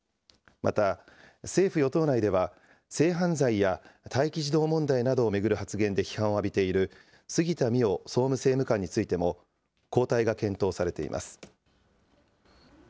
また、政府・与党内では、性犯罪や待機児童問題などを巡る発言で批判を浴びている、杉田水脈総務政務官についても交代が検討されています。